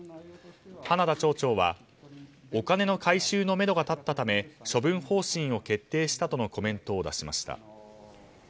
花田町長は、お金の回収のめどが立ったため処分方針を決定したとのコメントを出しました。